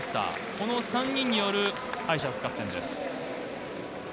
この３人による敗者復活戦です。